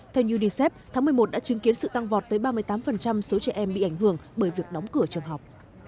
theo unicef tháng một mươi một đã chứng kiến sự tăng vọt tới ba mươi tám số trẻ em bị ảnh hưởng bởi việc đóng cửa trường học